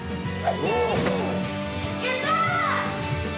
やった。